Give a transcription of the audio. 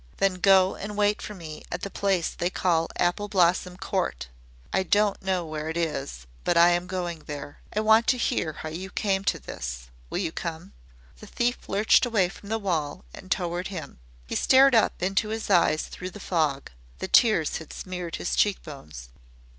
Then go and wait for me at the place they call Apple Blossom Court. I don't know where it is, but I am going there. I want to hear how you came to this. Will you come?" The thief lurched away from the wall and toward him. He stared up into his eyes through the fog. The tears had smeared his cheekbones.